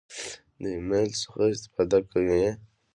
د ایمیل څخه استفاده کوئ؟